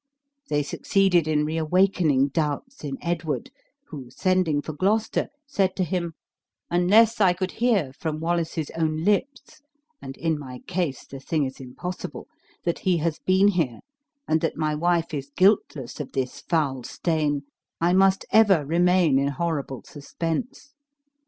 They succeeded in reawakening doubts in Edward, who, sending for Gloucester, said to him, "Unless I could hear from Wallace's own lips (and in my case the thing is impossible), that he has been here, and that my wife is guiltless of this foul stain, I must ever remain in horrible suspense.